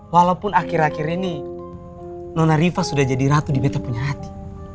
walaupun akhir akhir ini nona riva sudah jadi ratu di meta punya hati